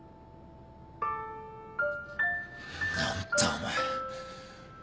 何だお前。